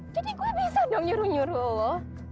jadi gue bisa dong nyuruh nyuruh elo